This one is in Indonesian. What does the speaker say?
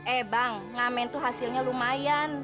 eh bang ngamen tuh hasilnya lumayan